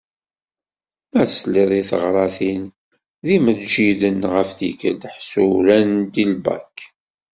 Ma tesliḍ i taɣratin d yimeǧǧiden ɣef tikelt ḥṣu rran-d i lbak.